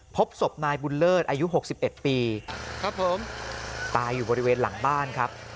พบศพนายบุญเลิศอายุ๖๑ปีครับผมตายอยู่บริเวณหลังบ้านครับ